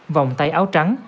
vòng tay áo trắng